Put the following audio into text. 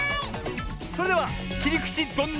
それでは「きりくちどんなでショー」。